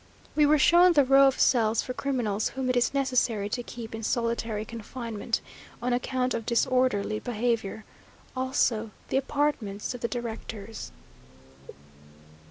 We were shown the row of cells for criminals whom it is necessary to keep in solitary confinement, on account of disorderly behaviour also the apartments of the directors.